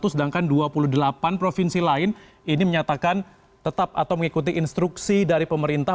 sedangkan dua puluh delapan provinsi lain ini menyatakan tetap atau mengikuti instruksi dari pemerintah